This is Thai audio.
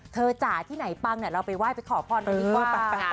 เธอจ่ะที่ไหนปังเราไปไหว้ไปขอพรกันดีกว่า